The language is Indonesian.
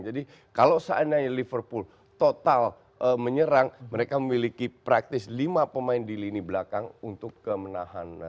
jadi kalau seandainya liverpool total menyerang mereka memiliki praktis lima pemain di lini belakang untuk menahan